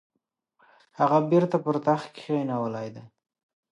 هغه بیرته پر تخت کښېنولی دی.